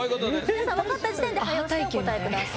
皆さん分かった時点で早押しでお答えください